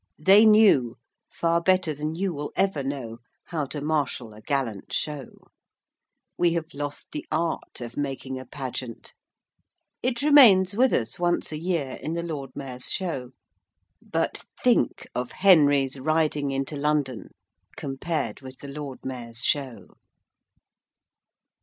They knew, far better than you will ever know, how to marshal a gallant show. We have lost the art of making a Pageant. It remains with us once a year in the Lord Mayor's Show. But think of Henry's Riding into London compared with the Lord Mayor's Show!